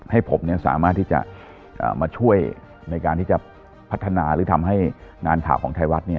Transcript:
ให้ผมสามารถที่จะมาช่วยในการที่จะพัฒนาหรือทำให้งานข่าวของไทยรัฐ